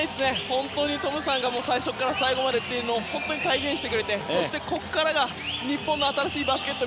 本当にトムさんが最初から最後までというのを体現してくれてそして、ここからが日本の新しいバスケット。